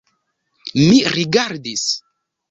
Mi rigardis.